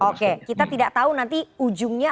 oke kita tidak tahu nanti ujungnya